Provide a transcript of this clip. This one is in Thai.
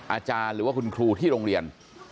อาจารย์หรือว่าคุณครูที่โรงเรียน